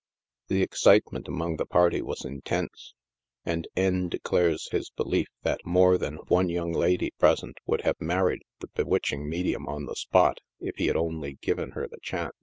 The excitement among the party was intense, and " N" declares his belief that more than one young lady present would have married the bewitching medium on the spot, if he had only given her the chance.